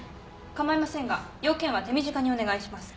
構いませんが用件は手短にお願いします。